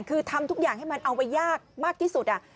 คือทำทุกอย่างให้มันเอาไปยากมากที่สุด